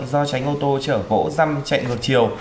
do tránh ô tô chở gỗ răm chạy ngược chiều